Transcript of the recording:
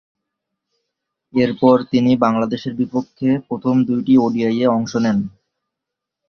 এরপর তিনি বাংলাদেশের বিপক্ষে প্রথম দুইটি ওডিআইয়ে অংশ নেন।